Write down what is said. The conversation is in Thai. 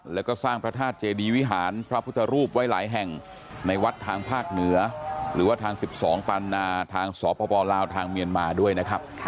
แล้วก็สร้างพระธาตุเจดีวิหารพระพุทธรูปไว้หลายแห่งในวัดทางภาคเหนือหรือว่าทาง๑๒ปานนาทางสปลาวทางเมียนมาด้วยนะครับ